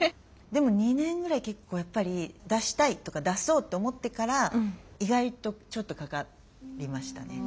でも２年ぐらい結構やっぱり出したいとか出そうと思ってから意外とちょっとかかりましたね。